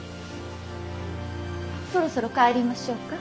そろそろ帰りましょうか。